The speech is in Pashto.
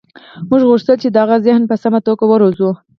موږ غوښتل چې د هغه ذهن په سمه توګه وروزو